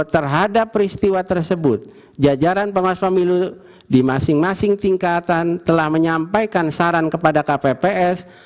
terhadap peristiwa tersebut jajaran pengawas pemilu di masing masing tingkatan telah menyampaikan saran kepada kpps